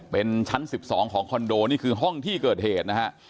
เป็นชั้น๑๒ของคอนโดนี่คือห้องที่เกิดเหตุนะฮะ